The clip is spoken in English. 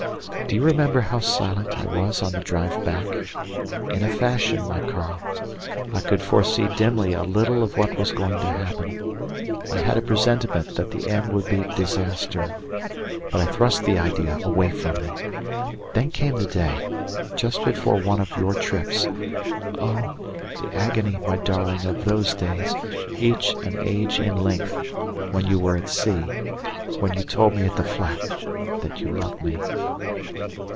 Do you remember how silent I was on the drive back? In a fashion, my Karl, I could foresee dimly a little of what was going to happen. I had a presentiment that the end would be disaster, but I thrust the idea away from me. Then came the day, just before one of your trips oh! the agony, my darling, of those days, each an age in length, when you were at sea when you told me at the flat that you loved me.